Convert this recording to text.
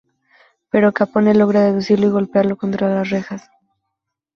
Pero Capone logra reducirlo y golpearlo contra las rejas.